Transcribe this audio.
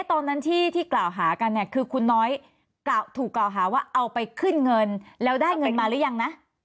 ตอนนั้นที่กล่าวหากันเนี่ยคือคุณน้อยถูกกล่าวหาว่าเอาไปขึ้นเงินแล้วได้เงินมาหรือยังนะ